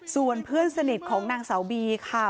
ส่วนเพื่อนสนิทของนางสาวบีค่ะ